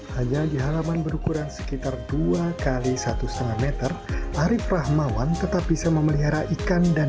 hanya di halaman berukuran sekitar dua x satu lima meter arief rahmawan tetap bisa memelihara ikan dan